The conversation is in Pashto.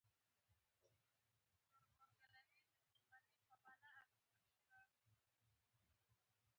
دا نرخ په نه. ووځه خو دا کور کلي مه ووځه